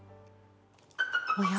おや？